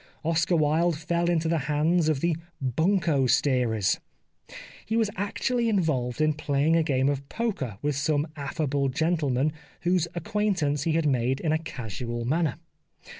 Oscar Wilde fell into the hands of the " bunco steerers." He was actually in volved into pla3dng a game of poker with some affable gentlemen whose acquaintance he had made in a casual manner.